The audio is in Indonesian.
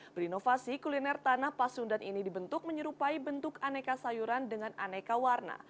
berinovasi kuliner tanah pasundan ini dibentuk menyerupai bentuk aneka sayuran dengan aneka warna